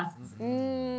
うん。